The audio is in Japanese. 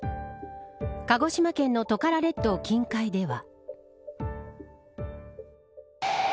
鹿児島県のトカラ列島近海では。